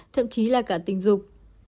thậm chí là cả tình dục